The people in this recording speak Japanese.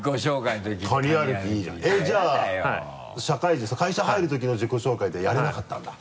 じゃあ社会人会社入るときの自己紹介でやれなかったんだ？